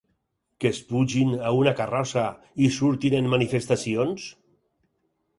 Que es pugin a una carrossa i surtin en manifestacions?